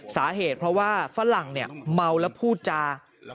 สาเหตุเพราะว่าฝรั่งเมาแล้วพูดจา